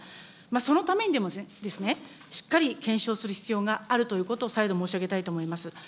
そのためにでもですね、しっかり検証する必要があるということを再度申し上げたいと思います。